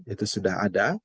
itu sudah ada